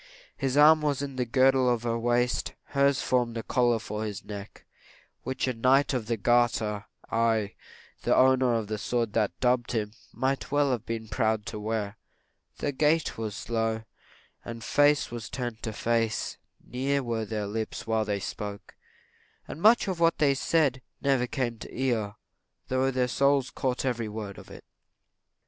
His arm was the girdle of her waist; hers formed a collar for his neck, which a knight of the garter aye, the owner of the sword that dubbed him might well have been proud to wear. Their gait was slow, and face was turned to face; near were their lips while they spoke; and much of what they said never came to the ear, though their souls caught up every word of it.